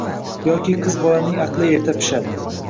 Yoki qiz bolaning aqli erta pishadi.